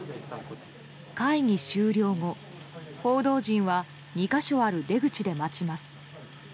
会議終了後、報道陣は２か所ある出口で待ちます。